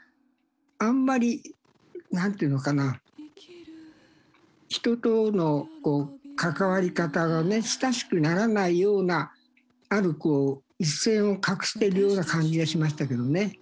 あんまり何ていうのかな人との関わり方がね親しくならないようなあるこう一線を画してるような感じがしましたけどね。